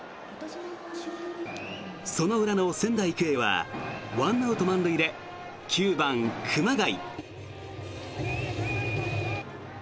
その裏の仙台育英は１アウト満塁で９番、熊谷。